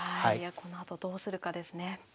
このあとどうするかですね。